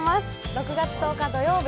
６月１０日土曜日